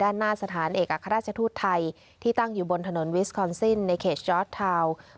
หน้าสถานเอกอัครราชทูตไทยที่ตั้งอยู่บนถนนวิสคอนซินในเขตจอร์ดทาวน์